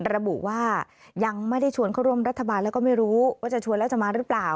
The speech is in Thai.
ระบุว่ายังไม่ได้ชวนเข้าร่วมรัฐบาลแล้วก็ไม่รู้ว่าจะชวนแล้วจะมาหรือเปล่า